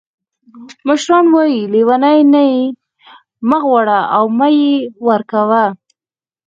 مشران وایي: لیوني نه یې مه غواړه او مه یې ورکوه.